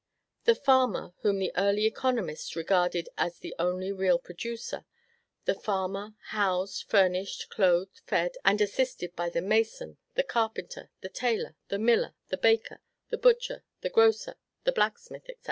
The farmer, whom the early economists regarded as the only real producer the farmer, housed, furnished, clothed, fed, and assisted by the mason, the carpenter, the tailor, the miller, the baker, the butcher, the grocer, the blacksmith, &c.